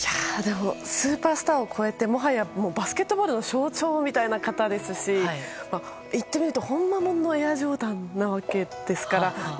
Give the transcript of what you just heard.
スーパースターを超えてもはやバスケットボールの象徴みたいな方ですし言ってみると、ほんまもんのエアジョーダンですからね。